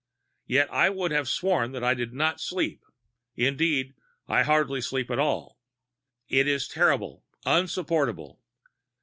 Yet I would have sworn that I did not sleep indeed, I hardly sleep at all. It is terrible, insupportable!